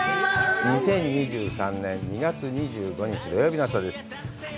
２０２３年２月２５日、土曜日の朝です。